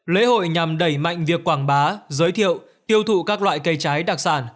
lễ hội nhằm đẩy mạnh việc quảng bá giới thiệu tiêu thụ các loại cây trái đặc sản